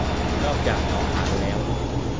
นอกจากหนองหารแล้ว